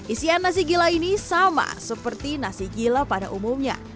isian nasi gila ini sama seperti nasi gila pada umumnya